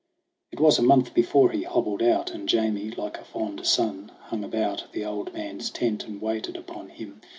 It was a month before he hobbled out, And Jamie, like a fond son, hung about The old man's tent and waited upon him.